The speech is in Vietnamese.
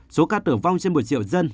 số ca tử vong trên một triệu dân